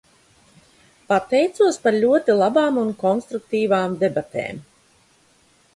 Pateicos par ļoti labām un konstruktīvām debatēm.